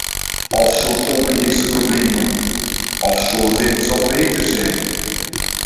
Offshore-olie heeft zijn problemen, offshorewind zou beter zijn.